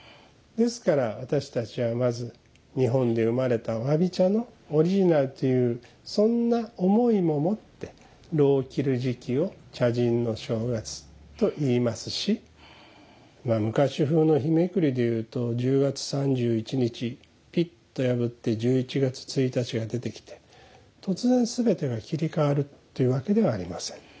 ですから私たちはまず日本で生まれた侘び茶のオリジナルというそんな思いも持って炉を切る時期を「茶人の正月」と言いますしまあ昔風の日めくりでいうと１０月３１日ぴっと破って１１月１日が出てきて突然全てが切り替わるっていうわけではありません。